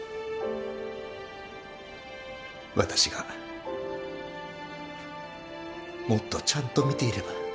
私がもっとちゃんと見ていれば。